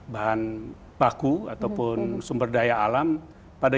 bahan baku ataupun sumber daya alam pada